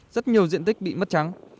rất nhiều diện tích bị mất trắng